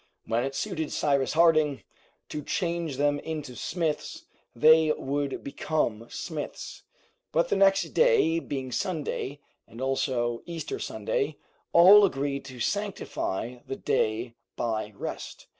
When it suited Cyrus Harding to change them into smiths, they would become smiths. But the next day being Sunday, and also Easter Sunday, all agreed to sanctify the day by rest.